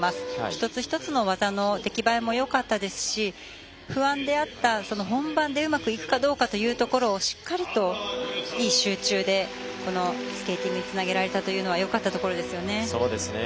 一つ一つの技の出来栄えもよかったですし不安であった本番でうまくいくかどうかというところをしっかりと、いい集中でスケーティングにつなげられたのはよかったところですよね。